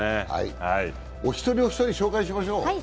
お一人お一人、紹介しましょう。